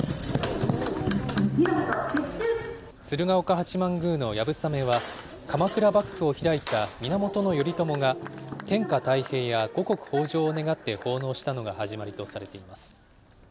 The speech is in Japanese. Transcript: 鶴岡八幡宮のやぶさめは、鎌倉幕府を開いた源頼朝が天下太平や五穀豊じょうを願って奉納したのが始まりとされています。